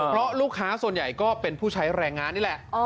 เพราะลูกค้าส่วนใหญ่ก็เป็นผู้ใช้แรงงานนี่แหละ